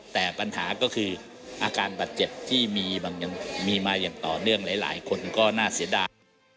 แต่ปัญหาก็คืออาการบาดเจ็บที่มีมาอย่างต่อเนื่องหลายคนก็น่าเสียดาย